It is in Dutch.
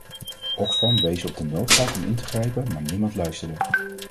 Oxfam wees op de noodzaak om in te grijpen, maar niemand luisterde.